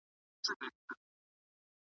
چی را یادي می ساده ورځی زلمۍ سي ,